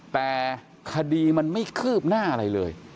แต่คดีมันไม่คืบหน้าอะไรเลย